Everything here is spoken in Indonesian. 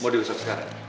mau digosok sekarang